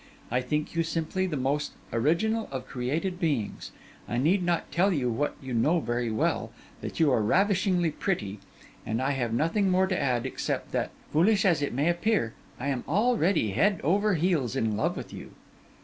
I think you simply the most original of created beings; I need not tell you what you know very well, that you are ravishingly pretty; and I have nothing more to add, except that, foolish as it may appear, I am already head over heels in love with you.